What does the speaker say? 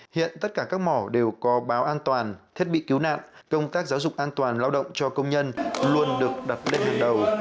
hiện tất cả các mỏ đều có báo an toàn thiết bị cứu nạn công tác giáo dục an toàn lao động cho công nhân luôn được đặt lên hàng đầu